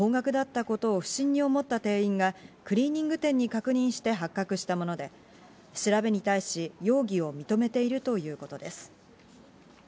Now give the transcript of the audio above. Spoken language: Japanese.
請求が高額だったことを不審に思った店員がクリーニング店に確認して発覚したもので、調べに対し容疑を認めているということです。